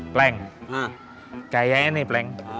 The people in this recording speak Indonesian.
pleng kayaknya nih pleng